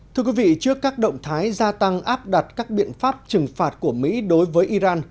thưa quý vị trước các động thái gia tăng áp đặt các biện pháp trừng phạt của mỹ đối với iran